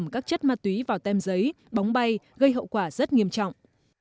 các chất ma túy vào tem giấy bóng bay gây hậu quả rất nghiêm trọng